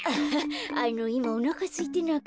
あのいまおなかすいてなくて。